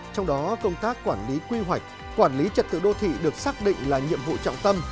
trong đó công tác quản lý quy hoạch quản lý trật tự đô thị được xác định là nhiệm vụ trọng tâm